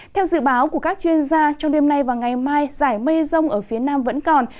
theo dự báo của các chuyên gia trong đêm nay và ngày mai giải mây rông ở phía nam vẫn còn